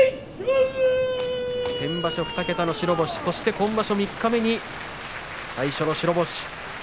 先場所２桁の白星、今場所三日目最初の白星。